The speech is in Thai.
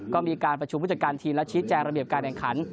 ก็มีการประชุมผู้จัดการทีมและชี้แจงระเบียบการแข่งขัน